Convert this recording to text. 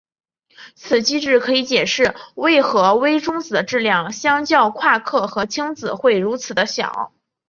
此机制可以解释为何微中子的质量相较夸克和轻子会如此地小。